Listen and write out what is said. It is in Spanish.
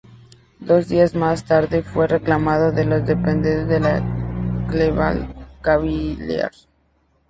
Dos días más tarde, fue reclamado de los despedidos por los Cleveland Cavaliers.